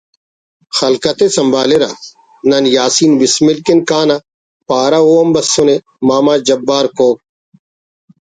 خلکت ءِ سنبھالرہ نن یاسین بسمل کن کانہ پارہ او ہم بسنے ……ماما جبار کوک